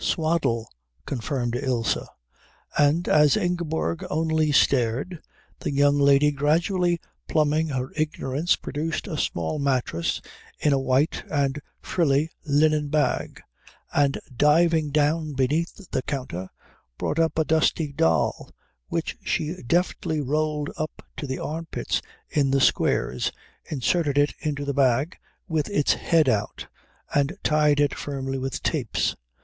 "Swaddle," confirmed Ilse. And as Ingeborg only stared, the young lady gradually plumbing her ignorance produced a small mattress in a white and frilly linen bag, and diving down beneath the counter, brought up a dusty doll which she deftly rolled up to the armpits in the squares, inserted it into the bag with its head out, and tied it firmly with tapes.